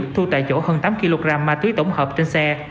thu tại chỗ hơn tám kg ma túy tổng hợp trên xe